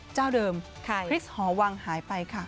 เจ้าเดิมคริสหอวังหายไปค่ะ